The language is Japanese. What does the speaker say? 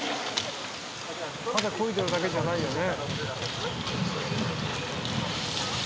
ただこいでるだけじゃないよね。